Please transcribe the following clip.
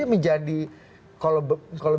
jadi menjadi kalau